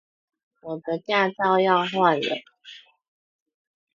我的駕照要換了